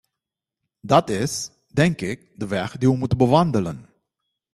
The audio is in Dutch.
Dat is, denk ik, de weg die we moeten bewandelen.